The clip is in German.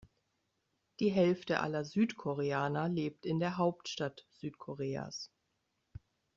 Die Hälfte aller Südkoreaner lebt in der Hauptstadt Südkoreas.